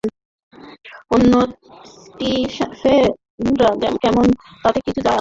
অন্য স্টিফেনরা কেমন তাতে কিছু যায় আসে না।